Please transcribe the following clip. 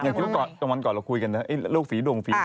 อย่างที่เมื่อก่อนก็คุยกันนะโรคฝีดวงฝีดา